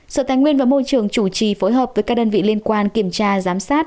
sở tài nguyên và môi trường chủ trì phối hợp với các đơn vị liên quan kiểm tra giám sát